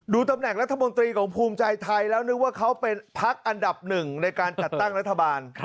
ตำแหน่งรัฐมนตรีของภูมิใจไทยแล้วนึกว่าเขาเป็นพักอันดับหนึ่งในการจัดตั้งรัฐบาล